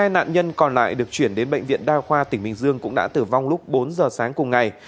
hai nạn nhân còn lại được chuyển đến bệnh viện đa khoa tỉnh bình dương cũng đã tử vong lúc bốn giờ sáng cùng ngày